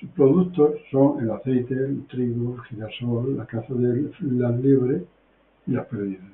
Sus productos son el aceite, trigo, girasol, caza de liebres y perdices.